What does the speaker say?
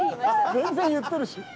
全然言ってるし。